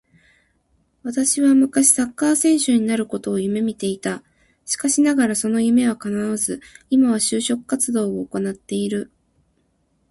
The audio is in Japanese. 私は昔サッカー選手になることを夢見ていた。しかしながらその夢は叶わず、今は就職活動を行っている